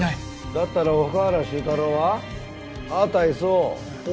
だったら岡原周太郎は？あった「Ｓ．Ｏ」。